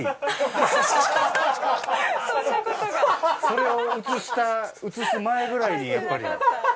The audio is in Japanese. それを映した映す前ぐらいにやっぱり。